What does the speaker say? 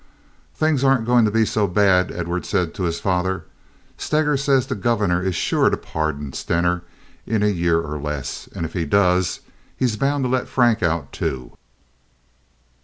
"Things aren't going to be so bad," Edward said to his father. "Steger says the Governor is sure to pardon Stener in a year or less, and if he does he's bound to let Frank out too."